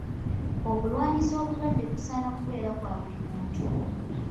Okulwanyisa obulwadde kusaana kubeere kwa buli muntu.